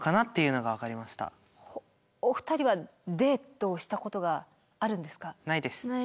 お二人はデートしたことがあるんですか？